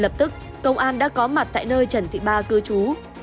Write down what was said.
lập tức công an đã có mặt tại nơi trần thị ba cư trú